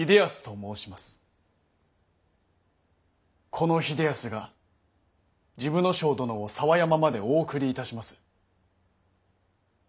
この秀康が治部少輔殿を佐和山までお送りいたします。